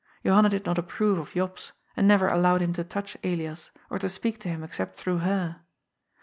Johanna did not ap prove of Jops, and never allowed him to touch Elias, or to speak to him except through her.